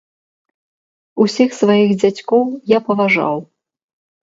Усіх сваіх дзядзькоў я паважаў.